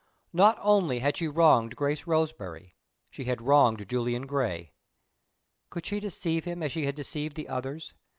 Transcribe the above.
Not only had she wronged Grace Roseberry she had wronged Julian Gray. Could she deceive him as she had deceived the others?